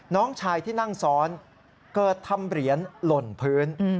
น้องชายที่นั่งซ้อนเกิดทำเหรียญหล่นพื้น